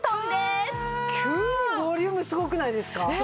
急にボリュームすごくないですか？